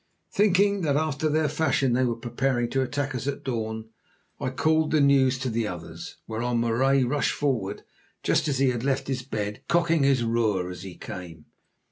Thinking that after their fashion they were preparing to attack us at dawn, I called the news to the others, whereon Marais rushed forward, just as he had left his bed, cocking his roer as he came.